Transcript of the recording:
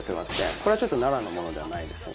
これはちょっと奈良のものではないですが。